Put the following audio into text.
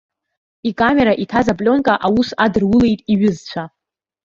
Икамера иҭаз аплионка аус адырулеит иҩызцәа.